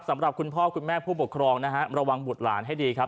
สำหรับคุณพ่อคุณแม่ผู้ปกครองนะฮะระวังบุตรหลานให้ดีครับ